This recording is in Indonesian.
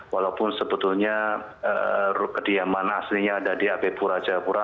walaupun sebetulnya ruang kediaman aslinya ada di abipura jawa pura